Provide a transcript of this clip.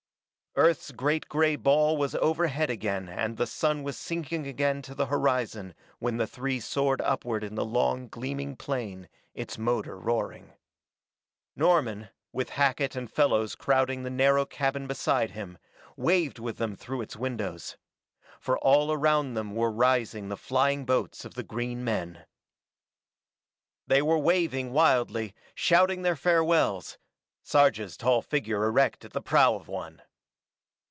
Earth's great gray ball was overhead again and the sun was sinking again to the horizon when the three soared upward in the long, gleaming plane, its motor roaring. Norman, with Hackett and Fellows crowding the narrow cabin beside him, waved with them through its windows. For all around them were rising the flying boats of the green men. They were waving wildly, shouting their farewells, Sarja's tall figure erect at the prow of one.